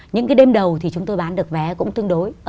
những cái đêm đầu thì chúng tôi bán được vé cũng tương đối